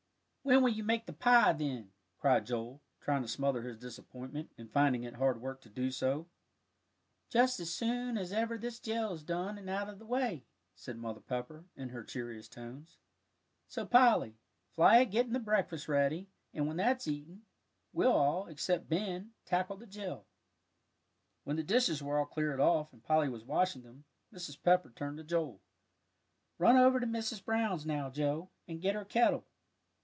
"When will you make the pie, then?" cried Joel, trying to smother his disappointment, and finding it hard work to do so. "Just as soon as ever this jell is done and out of the way," said Mother Pepper, in her cheeriest tones. "So, Polly, fly at getting the breakfast ready, and when that's eaten, we'll all, except Ben, tackle the jell." When the dishes were all cleared off, and Polly was washing them, Mrs. Pepper turned to Joel. "Run over to Mrs. Brown's now, Joe, and get her kettle."